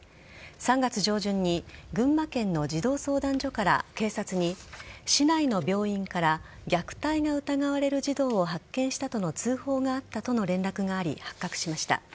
３月上旬に群馬県の児童相談所から警察に市内の病院から虐待が疑われる児童を発見したとの通報があったとの連絡があり発覚しました。